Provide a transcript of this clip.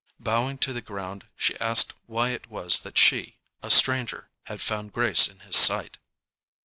Bowing to the ground she asked why it was that she, a stranger, had found grace in his sight.